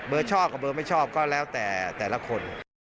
เบอร์ชอบกว่าเบอร์ไม่ชอบก็แล้วแต่แต่ละคน